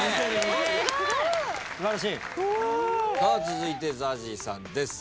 続いてＺＡＺＹさんです。